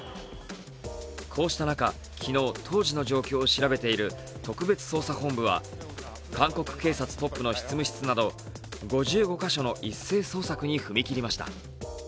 こうした中、昨日、当時の状況を調べている特別捜査本部は韓国警察トップの執務室など５５か所の一斉捜索に踏み切りました。